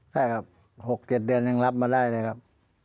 ใช่ครับ๖๗เดือนยังรับมาได้เลยครับ